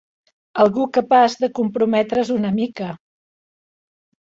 Algú capaç de comprometre's una mica.